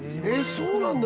そうなんだ